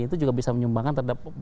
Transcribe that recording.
itu juga bisa menyumbangkan terhadap